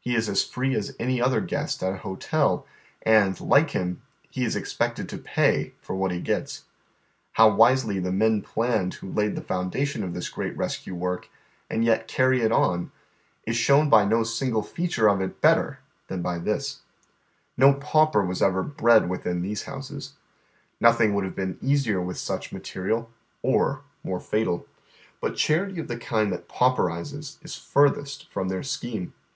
He is as free as anj other guest at i hotel, and, like him, Ije is e\peeted to pay foi what he get': How wisely the men planned who laid the foundation of this great rescue unrk and ^et c^ll> it on, is ''hown by no sin ;vCcJO«^ le THE STREET ARAB. 203 gle feature of it better than by tliis, No pauper was ever bred within tlieee houses. Nothing would have been easier witii such inatei iai, or more fatal. But charity of the kind that pauperizes is furthest from their scheme.